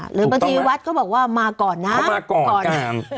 หรือบัญชีวัดก็บอกว่ามาก่อนนะ